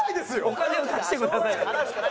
お金を出してください。